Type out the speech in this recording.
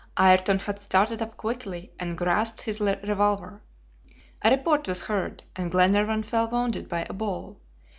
Ayrton had started up quickly and grasped his revolver. A report was heard, and Glenarvan fell wounded by a ball.